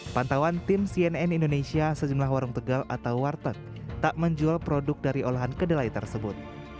pantauan tim cnn indonesia sejumlah warung tegal atau warteg tak menjual produk dari olahan kedelai tersebut